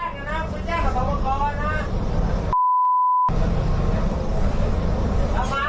ทำไมทำไมคุณคืออะไร